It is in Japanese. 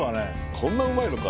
こんなうまいのか。